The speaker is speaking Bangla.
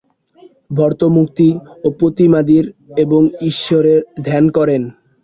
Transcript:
ভক্ত মূর্তি-প্রতিমাদি এবং ঈশ্বরের ধ্যান করেন।